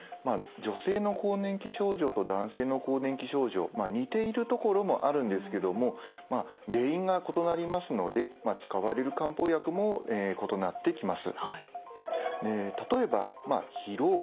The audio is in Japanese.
女性の更年期症状と男性の更年期症状似ているところもあるんですけども原因が異なりますので使われる漢方薬も異なってきます。